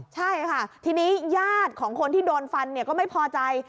ใช่ค่ะทีนี้ญาติของคนที่โดนฟันก็ไม่พอใจ